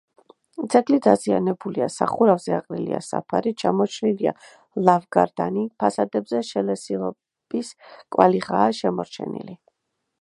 ძეგლი დაზიანებულია: სახურავზე აყრილია საფარი, ჩამოშლილია ლავგარდანი, ფასადებზე შელესილობის კვალიღაა შემორჩენილი.